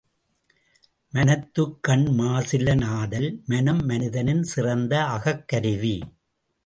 மனத்துக்கண் மாசிலனாதல் மனம், மனிதனின் சிறந்த அகக்கருவி.